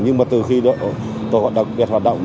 nhưng mà từ khi tội phạm đặc biệt hoạt động